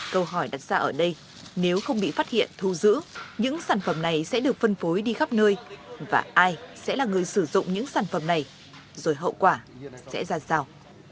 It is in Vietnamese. câu hỏi đặt ra ở đây nếu không bị phát hiện thu giữ những sản phẩm này sẽ được phân phối đi khắp nơi và ai sẽ là người sử dụng những sản phẩm này rồi hậu quả sẽ ra sao